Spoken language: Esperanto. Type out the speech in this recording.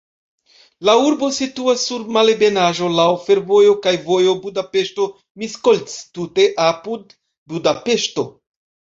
La urbo situas sur malebenaĵo, laŭ fervojo kaj vojo Budapeŝto-Miskolc, tute apud Budapeŝto.